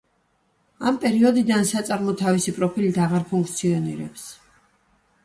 ამ პერიოდიდან საწარმო თავისი პროფილით აღარ ფუნქციონირებს.